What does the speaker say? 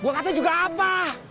gue katanya juga apa